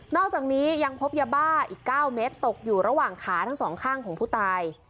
อกจากนี้ยังพบยาบ้าอีก๙เมตรตกอยู่ระหว่างขาทั้งสองข้างของผู้ตาย